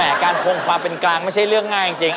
แต่การคงความเป็นกลางไม่ใช่เรื่องง่ายจริง